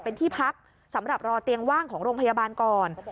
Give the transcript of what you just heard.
เป็นที่พักสำหรับรอเตียงว่างของโรงพยาบาลก่อน